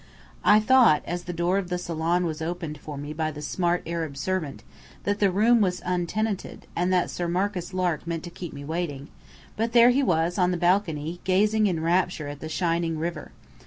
I thought, as the door of the salon was opened for me by the smart Arab servant, that the room was untenanted, and that Sir Marcus Lark meant to keep me waiting; but there he was, on the balcony, gazing in rapture at the shining river.